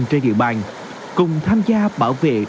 trên địa bàn cùng tham gia bảo vệ